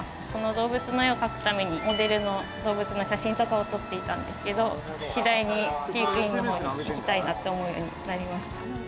動物の絵を描くために、モデルの動物の写真とか撮っていたんですけど、次第に飼育員の方に行きたいなと思うようになりました。